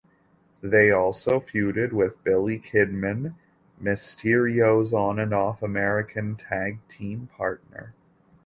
They also feuded with Billy Kidman, Mysterio's on-and-off American tag team partner.